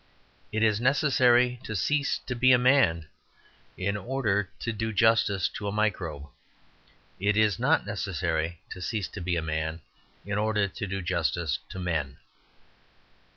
It is necessary to cease to be a man in order to do justice to a microbe; it is not necessary to cease to be a man in order to do justice to men.